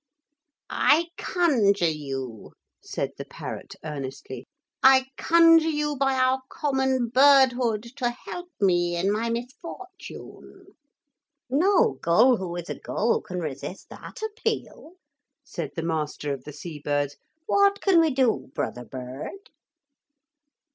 'I conjure you,' said the parrot earnestly, 'I conjure you by our common birdhood to help me in my misfortune.' 'No gull who is a gull can resist that appeal,' said the master of the sea birds; 'what can we do, brother bird?'